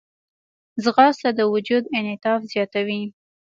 ځغاسته د وجود انعطاف زیاتوي